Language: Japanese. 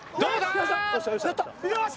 よし！